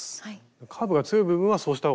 カーブが強い部分はそうした方がいいってこと。